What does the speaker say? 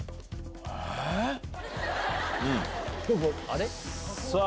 あれ？